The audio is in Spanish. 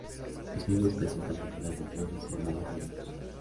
Los mismos presentan figuras de flores, animales y niños.